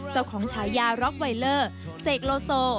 เจ้าของชายาร็อกไวเลอร์เสกโลโซ